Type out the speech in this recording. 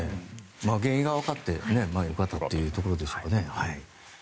原因が分かって良かったというところでしょうかね。